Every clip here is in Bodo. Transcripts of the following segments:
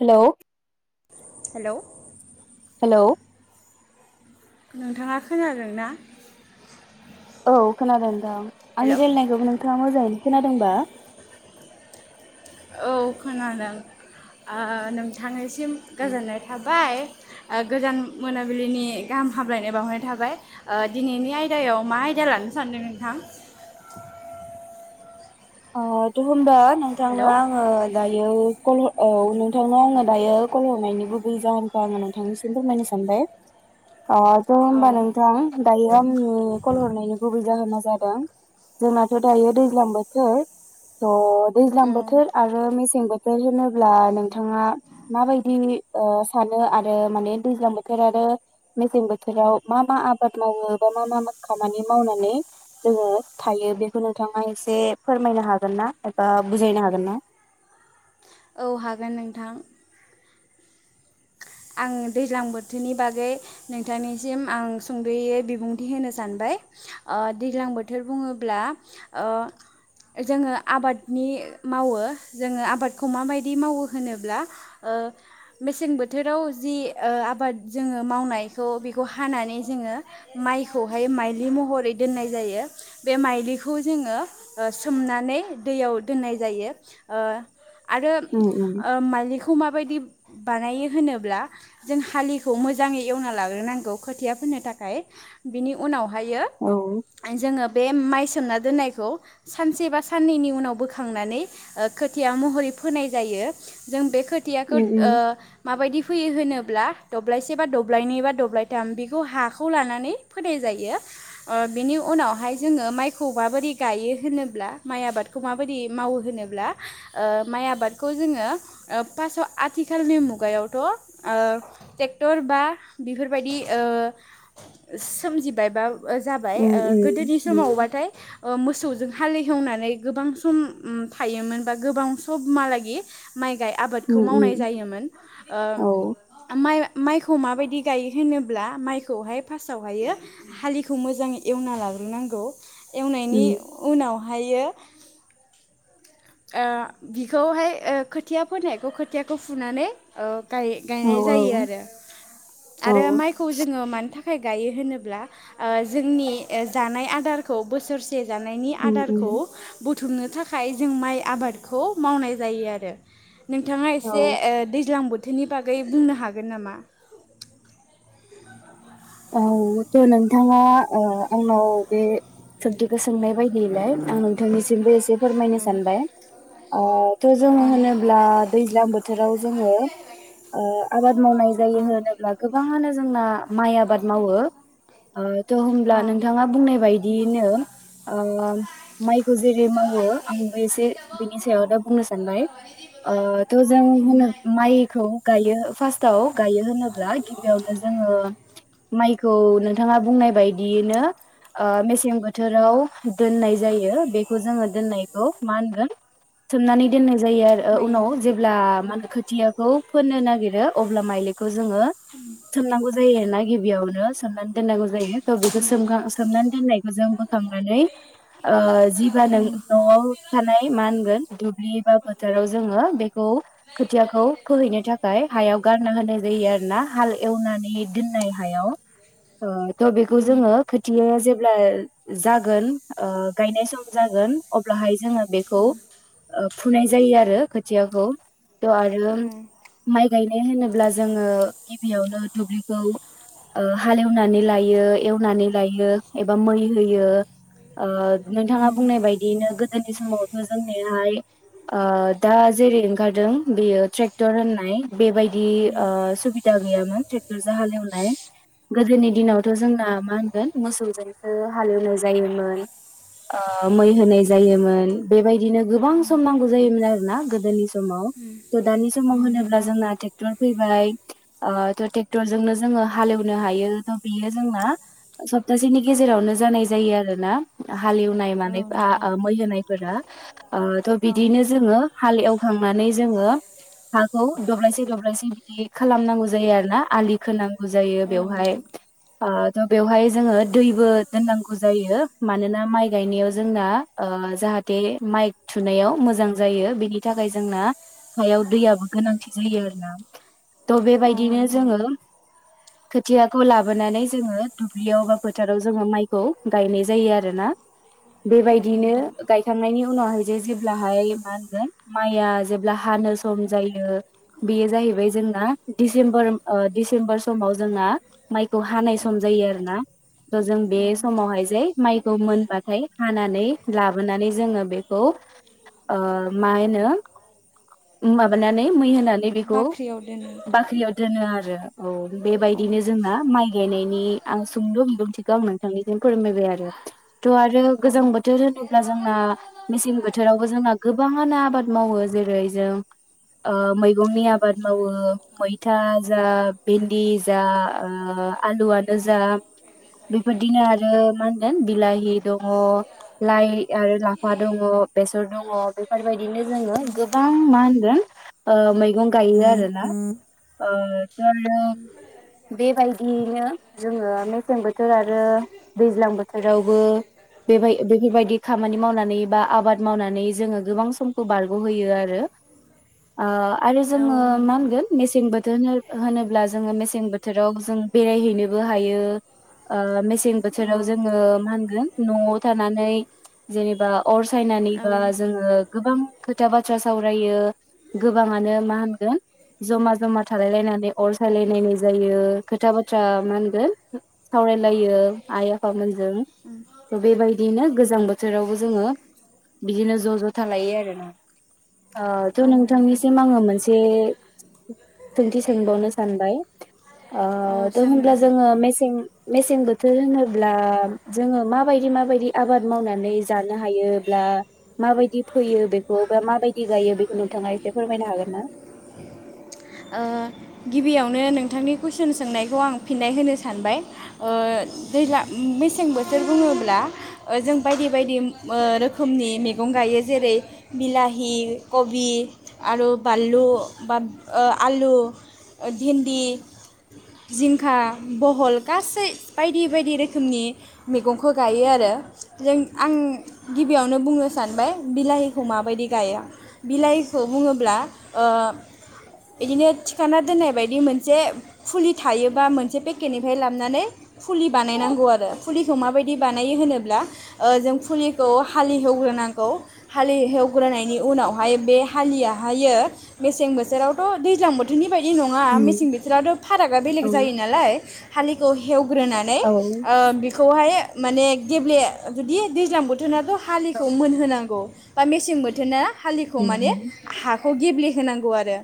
हेल' हेल' हेल' नोंथाङा खोनादोंना? औ खोनादों दां आंनि रायलायनायखौ नोंथाङा मोजाङैनो खोनादोंबा औ खोनादों नोंथांनिसिम गोजोननाय थाबाय। गोजोन मोनाबिलिनि गाहाम हामलायनाय बावहनाय थाबाय दिनैनि आयदायाव मा आयदा। लानो सानदों नोंथां? [inaudible] अ दे' होमबा नोंथांनो हेलौ आङो दायो औ नोंथांनाव आङो दायो कल हरनायनि गुबै जाहोनखौ आङो नोंथांनिसिम फोरमायनो सानबाय अ थ' औ होनोमबा नोंथां दायो आंनि कल हरनायनि गुबुबै जाहोन जादों जोंनाथ' दायो दैज्लां बोथोर थ' दैज्लां औ बोथोर आरो मेसें बोथोर होनोब्ला नोंथाङा माबायदि सानो आरो माने दैज्लां बोथोर आरो मेसें बोथोराव मा मा आबाद मावो? बा मा मा मा खामानि मावनानै जोङो थायो बेखौ नोंथाङा एसे फोरमायनो हागोन ना एबा बुजायनो हागोन ना? औ हागोन नोंथां। आं दैज्लां बोथोरनि बागै नोंथांनिसिम आं सुंद'यै बिबुंथि होनो सानबाय दैज्लां बोथोर बुङोब्ला जोङो आबादनि मावो जोङो आबादखौ माबायदि मावो होनोब्ला ओ मेसें बो बोथोराव जि ओ आबाद जोङो मावनायखौ बेखौ हानानै जोङो माइखौहाय माइलि महरै दोननाय जायो बे माइलिखौ जोङो ओ सोमनानै दैयाव दोन्नाय जायो ओ आरो उम उम ओ माइलिखौ माबादि बानायो होनोब्ला जों हालिखौ मोजाङै एवना लाग्रोनांगौ खोथिया फोननो थाखाय बिनि उनाव हायो औ जोङो बे माइ सोमना दोननायखौ सानसे बा साननैनि उनाव बोखांनानै ओ खोथिया महरै फोनाय जायो जों बे खोथियाखौ उम उम ओ फैयो होनोब्ला दब्लायसे बा दब्लायनै बा दब्लायथाम बेखौ हाखौ लानानै फोनाय जायो। ओ बिनि उनावहाय जोङो माइखौ माबोरै गायो होनोब्ला माइ आबादखौ माबोरै माव मावो होनोब्ला ओ माइ आबादखौ जोङो ओ फासआव आथिखालनि मुग गायावथ' ट्रेक्टर बा बेफोरबायदि ओ सोम जिबायबा जाबाय उम ओ उम गोदोनि उम समावबाथाइ मोसौजों हालेवनानै गोबां सम उम थायोमोन बा गोबां समहालागि माइ गाय आबादखौ उम मावनाय उम जायोमोन। ओ औ मा माय माइखौ माबायदि गायो होनोब्ला माइखौहाय फास्तहायो हालिखौ मोजां एवना लाग्रोनांगौ एवनायनि उम उनावहायो ओ बिखौहाय ओ खोथिया फोनायखौ खोथियाखौ फुनानै ओ गाय औ गायनाय जायो आरो औ माइखौ जोङो मानि था खाय गायो होनोब्ला ओ जोंनि जानाय आदारखौ बोसोर से जानायनि उम आदारखौ उम बु थुमनो थाखाय जों माइ आबादखौ मावनाय जायो आरो नोंथांङा औ एसे दै ज्लां बोथोरनि बागै बुंनो हागोन नामा? औ थ' नोंथांङा ओ आंनाव बे सोंथिखौ सोंनाय बायदियैलाय आं नोंथांनिसिमबो एसे फोरमायनो सानबाय। ओ थ' जोङो अ होनोब्ला दैज्लां बो थोराव जोङो ओ आबाद मावनाय जायो अ होनोब्ला गोबाङानो जोंना माइ आबाद मावो ओ थ' होमब्ला अ नोंथांङा बुंनाय बायदियैनो ओ माइखौ जेरै मावो आंबो एसे बिनि सायाव बुंनो सानबाय। ओ थ' जों होनो माइखौ गायो फास्ताव गायो होनोब्ला गिबियावनो जोङो माइखौ नोंथांङा बुंनाय बायदियैनो ओ मेसें बोथोराव दोननाय जायो बेखौ जोङो दोननायखौ मा होनगोन सोमननानै दोन जायो आरो ओ उनाव माइलि जेब्ला मा होनो खोथियाखौ फोननो नागिरो अब्ला माइलि खौ जोङो सोमनांगौ जायो नायगि आवनो सोमनानै दोननांगौ जायो थ' बेखौ सोमखां सोमनानै दोननायखौ जों बो खांनानै ओ जिबा नों उम न'आव थानाय मा होनगोन दुब्लि बा फोथाराव जोङो बे खौ खोथियाखौ फोहैनो थाखाय हायाव गारना होनाय जायो आरोना हाल एवनानै दोननाय हायाव थ बेखौ जोङो खोथिया जे ब्ला जागोन ओ गायनाय सम जागोन अब्लाहाय जोङो बेखौ ओ फुनाय जायो आरो खोथियाखौ। थ' आरो उम माइ गायनाय होनोब्ला जोङो गिबियावनो दुब्लिखौ ओ हालेवनानै लायो एवनानै लायो एबा मै होयो ओ नोंथांङा बुंनाय बायदियैनो गोदोनि समावथ' जोंनिहाय ओ दा जेरै ओंखारदों बेयो ट्रेक्टर होननाय बेबायदि ओ सुबिदा गैयामोन ट्रेक्टर जों हालेवनाय। गोदोनि दिनावथ' जोंना मा होनगोन मोसौजोंसो हालेवनाय जायोमोन। ओ मै होनाय जायोमोन बेबायदिनो गोबां सम नांगौ जायोमोन आरोना गोदोनि सम समाव थ दानि समाव उम होनोब्ला नोंथां जोंना ट्रेक्टर फैबाय ओ थ ट्रेक्टरजोंनो जोङो हालेवनो हायो थ बेयो जोंना सप्तासेनि गेजेरावनो जानाय जायो आरो ना हालेवनाय औ लानायफा नोंथां ओ मै होनायफोरा ओ थ औ बिदिनो नोंथां जोंङो हाल एव खांनानै जोङो। हाखौ दब्लायसे दब्लायसे बिदि खालामनांगौ जायो आरो ना आलि खोनां जायो औ नोंथां बेवहाय उम ओ त बेवहाय जोङो दैबो दोननांगौ जायो मानोना माइ गायनायाव जोंना ओ ओ जाहाथे माइ थुनायाव मोजां जायो बेनि थाखाय जोंना हायाव दैयाबो गोनांथि जायो आरो ना। थ औ बेबायदिनो नोंथां जोङो खोथियाखौ लाबोनानै जोङो दुब्लियाव बा फोथाराव जोङो माइखौ गायनाय जायो आरोना। औ बेबायदिनो नोंथां गायखांनायनि उनावहाय जे जेब्लाहाय मा होनगोन माइआ जेब्ला हानो सम जायो बेयो जाहैबाय जों ना डिसेम्बर ओ डिसेम्बर समाव जोंना माइखौ हानाय सम जायो आरो ना। त जों बे औ समावहाय जे माइखौ मोनबाथाय हानानै लाबोनानै जोङो बेखौ ओ मा होनो माबानानै मै होना नैबेखौ बाख्रियाव दोनो बाख्रियाव दोनो आरो। औ औ बेबायदिनो जोंना माइ गायनायनि आं सुंद बिबुंथिखौ आं नोंथांनिसिम फोरमायबाय आरो। थ आरो औ गोजां बोथोर होनोब्ला जोंना मेसें बोथोरावबो जोंना गोबाङानो आबाद मावो। जेरै जों ओ मैगंनि आबाद मावो मैथा जा भिन्दि जा ओ आलुआनो जा बेफोरदिनो आरो मा होनगोन बिलाहि दङ लाइ आरो लाफा दङ। बेसर दङ बेफोरबादिनो जोङो गोबां मा होनगोन ओ मै गं गायो आरो ना ओ [unintelligible] बेबायदियैनो जोङो मेसें बोथोर आरो दैज्लां बोथोरावबो बेबाय बेफोरबायदि खामानि मावनानै बा आबाद मावनानै जोङो गोबां समखौ बारगहोयो आरो। ओ आरो औ जोङो मा नोंथां होनगोन मेसें बोथोर होन होनोब ब्ला जोङो मेसें बोथोराव जों बेरायहैनोबो हायो ओ मेस सें औ बोथोराव जोङो मा होनगोन नआव थानानै जेनेबा अर साइनानै औ बा जोङो गोबां खोथा बाथ्रा सावरायो गोबाङानो मा होनगोन जमा जमा थालाय लायनानै अर सायलायलायनाय जायो खोथा बाथ्रा मा होनगोन सावरायलायो आइ आफा मोन जों थ बेबायदिनो गोजां बोथोरावबो जोङो। बिदिनो ज ज थालायो आरो ना ओ थ औ नोंथां नोंथांनिसिम आङो मोनसे सोंथि सोंबावनो सा ओ अ थ सों होनब्ला नोंथां जोङो मेसें मेसें बोथोर होनोब्ला जोङो माबायदि माबायदि आबाद मावनानै जानो हायोब्ला। माबायदि फैयो बेखौ बा माबायदि गायो बेखौ नोंथाङा एसे फोरमायनो हागोन ना? [inaudible] ओ गिबियावनो नोंथांनि कुइसन सोंनायखौ आं फिननाय होनो सानबाय ओ दैज्ला मेसें मेसें बोथोर बुङोब्ला ओ जों बायदि बायदि मो रोखोमनि मैगं गायो जेरै बिलाहि कबि। आरो बानलु बा आलु भिन्दि। जिंखा बहल गासै बायदि बायदि रोखोमनि मैगंखौ गायो आरो जों आं गिबियावनो बुंनो सानबाय बिलाहिखौ माबायदि गायआ बिलाहि खौ बुङोब्ला ओ बिदिनो सिखाना दोननाय बायदि मोनसे फुलि थायोबा मोनसे पेकेटनिफ्राय लाबनानै फुलि बानायनां आरो फुलिखौ माबादि बानायो होनोबा ओ जों फुलिखौ हालिएहो नांगौ हालि एवग्रोनायनि उनावहाय बे हालियाहायो मेसें बोथोरावथ' दैज्लां बो नङा मेसें उम बोथोरावथ' फारागा औ बेलेग जायो नालाय हालिखौ हेवग्रोनानै औ बेखौहाय माने गेब्ले जुदि दैज्लां बोथोराथ' हालिखौ मोनहोनांगौ बा मेसें बोथोरा हालिखौ उम माने उम हाखौ गेब्लेहोनांगौ आरो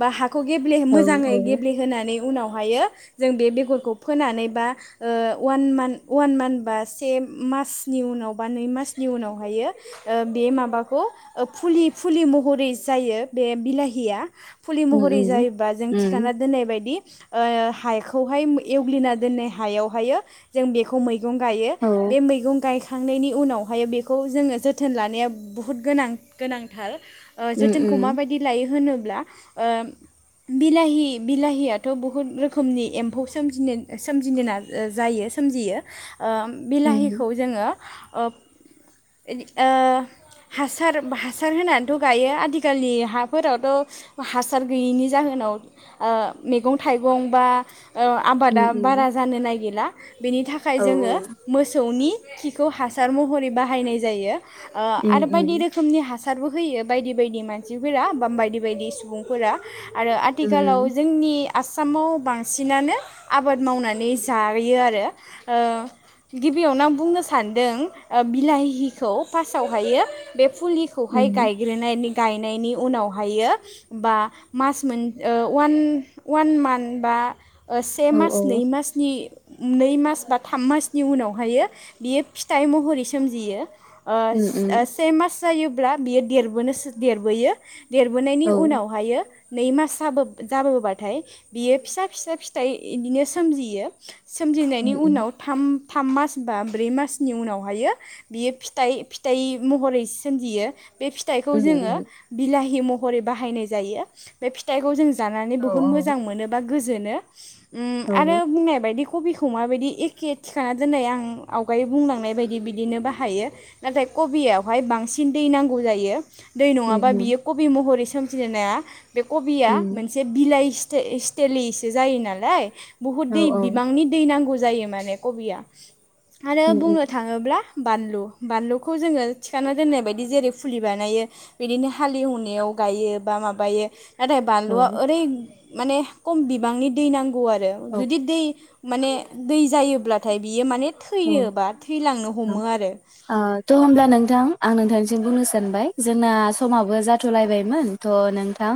बा हा खौ गेब्ले औ मोजाङै औ गेब्ले होनोनानै उनावहायो जों बेगरखौ फोनानै बा ओ अवान मान्थ, अवान मान्थ बा से मासनि उनाव बा नै मासनि उनावहायो बे माबाखौ फुलि फुलि फुलि महरै जायो बे बिलाहिया फुलि उम महरै उम जायोबा जों उम थिखाना दोननाय बायदि ओ हाखौहाय एवग्लिना दोननाय हायावहायो जों बेखौ मै गं गायो औ बे मैगं गायखांनाय नि गायखांनायनि उनावहाय बेखौ जोङो जोथोन लानाया बुहुद गोनां गोनांथार। ओ उम जोथोनखौ उम माबायदि लायो होनोब्ला ओ बिलाहि बिलाहियाथ' बहुत रोखोमनि एम्फौ सोमजिनाय नाय जायो ओ बि सजियो ओ बिलाहिखौ उम जोङो। ओ हासार हासार होनानैथ' गायो आजिखालि हाफोरावथ' हासार गैयिनि जाहोनाव ओ मैगं थाइगं बा ओ आबादा उम उम बारा जानो नागिरा। बेनि थाखाय औ जोङो मोसौनि खिखौ हासार महरै बाहायनाय जायो। ओ उम आरो बायदि उम रोखोमनि हा सारबो होयो बायदि बायदि मानसिफोरा बा बायदि बायदि सुबुंफोरा। आरो उम आथिखालाव जोंनि आसामाव बांसिनानो आबाद मावनानै जायो आरो। गिबियावनो आं बुंनो सान्दों बिलाहिखौ फार्स्टआवहायो बे फुलिखौहाय उम गायग्रोनाय गायनायनि उनावहायो बा ओ अवान-अवान मान्थ बा से औ मास नै औ मासनि नै मास बा थाम मासनि उनावहाय बियो फिथाइ महरै सोमजियो। उम ओ उम से मास जायोब्ला बियो देरबोयो। देरबोनायनि औ उनावहायो। नै मास जाब जाबोबाथाय बियो फिसा फिसा फिथाइ बिदिनो सोमजियो। सोमजिनायनि उम उम उनाव थाम थाम मास बा ब्रै मासनि उनावहायो बियो फिथाइ महरै सोमजियो बे फिथाइखौ उम जोङो उम बिलाहि महरै बाहायनाय जायो बे फिथाइखौ जों- जानानै औ बहुत औ मोजां मोनो बा गोजोनो उम आरो औ बुंनाय बादि। कबिखौ माबायदि एखे थ्रा दोननाय आं आवगाय बुंलांनाय बायदि बिदिनो बाहायो नाथाय - कबियावहाय बांसिन दै नांगौ जायो। दै नङाबा उम उम बियो कबि महरै सोमजिनो हाया बे कबिया औ मोनसे बिलाइ- स्ताइ-स्तिलिसैसो जायो नालाय बहुत दै औ बिबांनि दै नां जायो माने कबिया आरो उम, उम, बुंनो थाङोब्ला बानलु बानलुखौ जोङो थिखांना दोननाय बायदि जेरै फुलि बानायो बिदिनो हालेवनायाव गायो बा माबायो। नाथाय औ बानलुआ माने खम बिबांनि दै नांगौ आरो औ जुदि दै माने दै जायोब्लाथाय बियो माने औ थैयो बा थैलांनो हमो आरो औ थ' होमब्ला नोंथां आं नोंथां नो बुंनो सानबाय जोंना समाबो जाथ'लायबायमोन थ' नोंथां,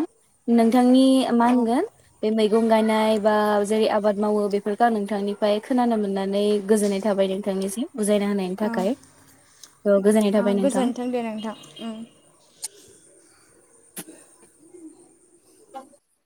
नों थांनि मा औ होनगोन बे मैगं गायनाय बा जेरै आबाद मावो बेफोरखौ आं नोंथांनिफ्राय खोनानो मोननानै गोजोननाय थाबाय नोंथांनिसिम। बुजायना होनायनि औ थाखाय औ गोजोननाय थाबाय नोंथां। गोजोन्थों दे नोंथां उम। [unintelligible]